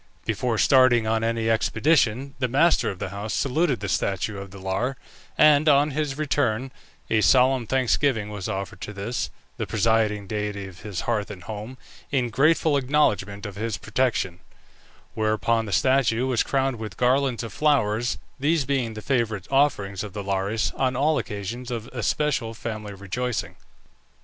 Before starting on any expedition the master of the house saluted the statue of the Lar, and, on his return, a solemn thanksgiving was offered to this, the presiding deity of his hearth and home, in grateful acknowledgment of his protection; whereupon the statue was crowned with garlands of flowers, these being the favourite offerings to the Lares on all occasions of especial family rejoicing.